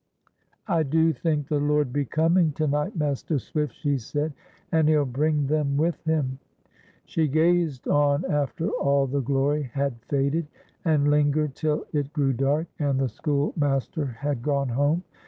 "I do think the Lord be coming to night, Master Swift," she said. "And He'll bring them with Him." She gazed on after all the glory had faded, and lingered till it grew dark, and the schoolmaster had gone home.